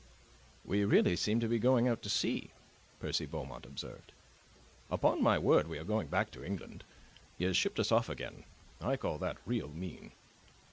"We really seem to be going out to sea," Percy Beaumont observed. "Upon my word, we are going back to England. He has shipped us off again. I call that 'real mean.